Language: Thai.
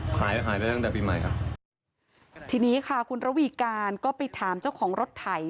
หายขายได้ตั้งแต่ปีใหม่ครับทีนี้ค่ะคุณระวีการก็ไปถามเจ้าของรถไถ